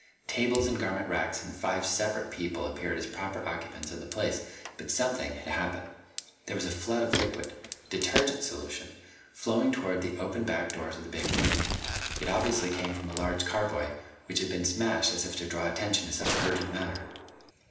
Tables and garment racks and five separate people appeared as proper occupants of the place. But something had happened. There was a flood of liquid detergent solution flowing toward the open back doors of the big room. It obviously came from a large carboy which had been smashed as if to draw attention to some urgent matter.